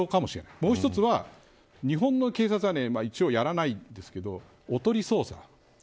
もう一つは日本の警察は一応やらないんですけどおとり捜査。